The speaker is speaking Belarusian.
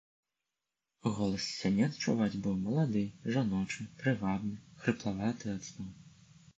Голас з сянец чуваць быў малады, жаночы, прывабны, хрыплаваты ад сну.